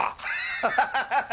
ハハハハ！